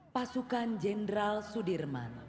pasukan jendral sudirman